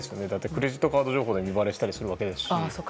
クレジットカード情報で身バレしたりするわけですし。